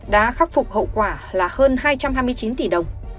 đã khắc phục hậu quả là hơn hai trăm hai mươi chín tỷ đồng